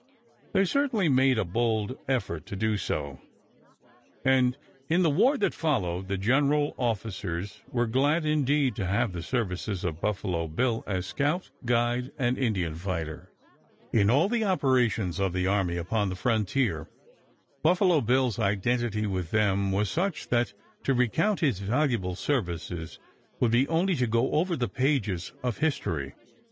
They certainly made a bold effort to do so, and in the war that followed the general officers were glad indeed to have the services of Buffalo Bill as scout, guide, and Indian fighter. In all the operations of the army upon the frontier Buffalo Bill's identity with them was such that to recount his valuable services would be only to go over the pages of history.